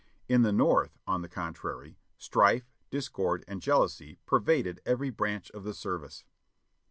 In the North, on the contrary, strife, discord and jealousy pervaded every branch of the service.